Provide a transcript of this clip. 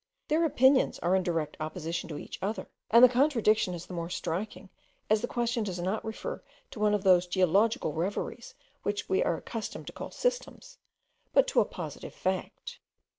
Their opinions are in direct opposition to each other; and the contradiction is the more striking, as the question does not refer to one of those geological reveries which we are accustomed to call systems, but to a positive fact.